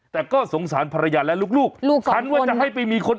แต่ก็สงสารภรรยาและลูกฉันว่าจะให้ไปมีคน